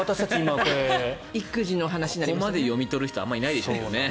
ここまで読み取る人はいないでしょうね。